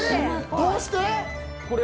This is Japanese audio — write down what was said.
どうして？